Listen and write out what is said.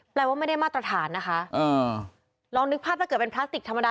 ว่าไม่ได้มาตรฐานนะคะลองนึกภาพถ้าเกิดเป็นพลาสติกธรรมดา